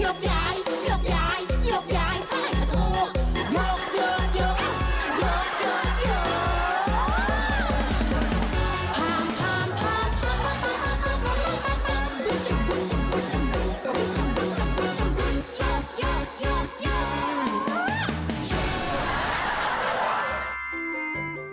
ยกยายยกยายยกยายสไหร่สโภ